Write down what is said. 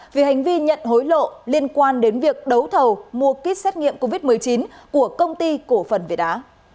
vì hành vi nhận hối lộ liên quan đến việc đấu thầu mua kích xét nghiệm covid một mươi chín của công ty cổ phần việt á